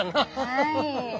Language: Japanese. はい。